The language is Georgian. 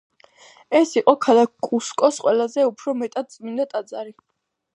ეს იყო ქალაქ კუსკოს ყველაზე უფრო მეტად წმინდა ტაძარი.